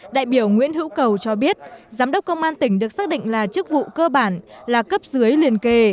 đại biểu nguyễn hữu cầu cho biết giám đốc công an tỉnh được xác định là chức vụ cơ bản là cấp dưới liền kề